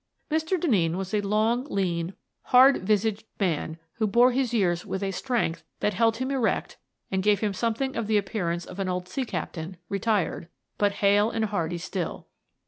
Mr. Denneen was a long, lean, hard visaged man who bore his years with a strength that held him erect and gave him something of the appearance of an old sea captain, retired, but hale and hearty still.